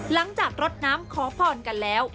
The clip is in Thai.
หลังจากรดน้ำขอพรกันแล้ว